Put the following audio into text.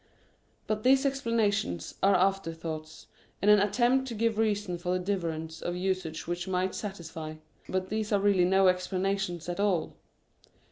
But these explanations are afterthoughts, and an attempt to give reason for the divergence of usage which might satisfy, but these are really no explanations at all.